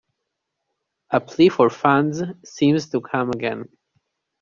A plea for funds seems to come again.